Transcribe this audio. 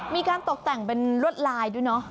มีการตกแต่งเป็นลวดลายด้วยเนอะ